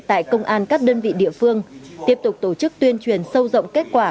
tại công an các đơn vị địa phương tiếp tục tổ chức tuyên truyền sâu rộng kết quả